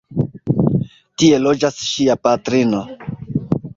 Tie loĝas ŝia patrino.